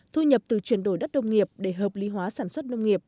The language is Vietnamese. thu nhập từ chuyển đổi đất đông nghiệp để hợp lý hóa sản xuất nông nghiệp